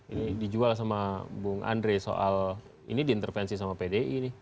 ini dijual sama bung andre soal ini diintervensi sama pdi nih